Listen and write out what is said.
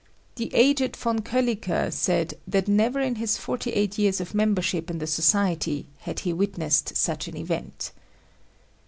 The aged von Kolliker said that never in his forty eight years of membership in the Society had he witnessed such an event.